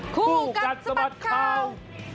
คู่กัดสะบัดข่าว